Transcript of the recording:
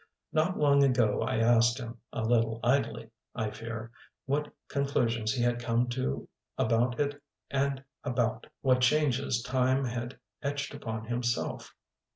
Not long ago I asked him, a little idly, I fear, what conclusions he had come to about it and about; what changes time had etched upon himself.